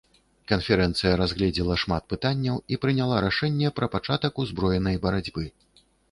Канферэнцыя разгледзела шмат пытанняў і прыняла рашэнне пра пачатак узброенай барацьбы.